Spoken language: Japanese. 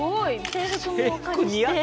制服もお借りして。